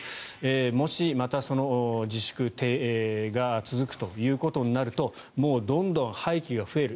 もしまたその自粛が続くということになるともうどんどん廃棄が増える。